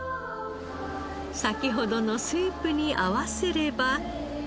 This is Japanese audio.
先ほどのスープに合わせれば。